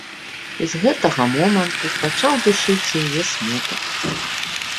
І з гэтага моманту пачаў душыць яе смутак.